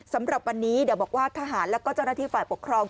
สำหรับวันนี้เดี๋ยวบอกว่าทหารแล้วก็เจ้าหน้าที่ฝ่ายปกครอง